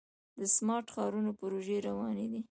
د سمارټ ښارونو پروژې روانې دي.